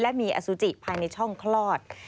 และมีอสุจิภายในช่องคลอด